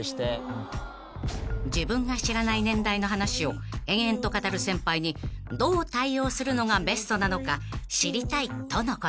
［自分が知らない年代の話を延々と語る先輩にどう対応するのがベストなのか知りたいとのことで］